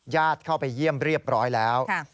เข้าไปเยี่ยมเรียบร้อยแล้ว